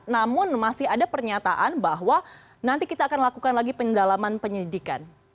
namun masih ada pernyataan bahwa nanti kita akan lakukan lagi pendalaman penyelidikan